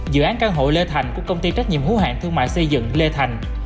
dự án căn hội lê thành của công ty trách nhiệm hú hạng thương mại xây dựng lê thành